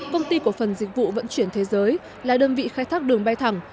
công ty của phần dịch vụ vẫn chuyển thế giới là đơn vị khai thác đường bay thẳng